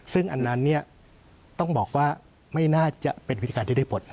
ซึ่งอันนั้นเนี่ยต้องบอกว่าไม่น่าจะเป็นวิธีการที่ได้ผล